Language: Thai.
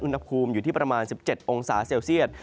อุณหภูมิอยู่ที่ประมาณ๑๗องศาเซลเซียต